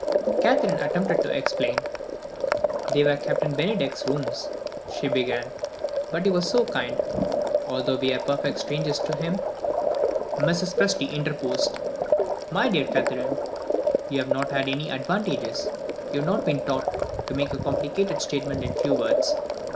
Catherine attempted to explain. "They were Captain Bennydeck's rooms," she began; "but he was so kind, although we are perfect strangers to him " Mrs. Presty interposed. "My dear Catherine, you have not had my advantages; you have not been taught to make a complicated statement in few words.